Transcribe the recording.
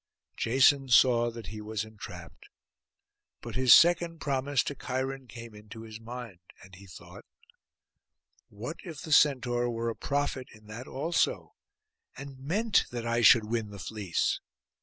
Jason saw that he was entrapped; but his second promise to Cheiron came into his mind, and he thought, 'What if the Centaur were a prophet in that also, and meant that I should win the fleece!